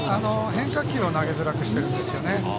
変化球を投げづらくしているんですね。